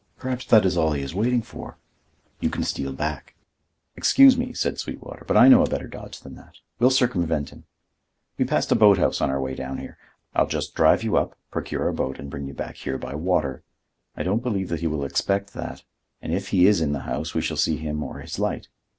Perhaps that is all he is waiting for. You can steal back—" "Excuse me," said Sweetwater, "but I know a better dodge than that. We'll circumvent him. We passed a boat house on our way down here. I'll just drive you up, procure a boat, and bring you back here by water. I don't believe that he will expect that, and if he is in the house we shall see him or his light."